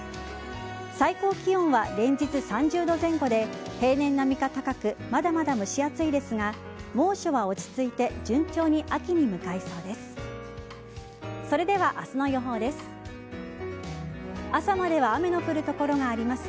最高気温は連日３０度前後で平年並みか高くまだまだ蒸し暑いですが猛暑は落ち着いて順調に秋に向かいそうです。